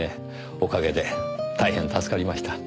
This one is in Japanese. おかげで大変助かりました。